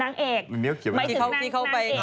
นางเอกรหมายถึงนางเอกรที่เขาที่เขาไป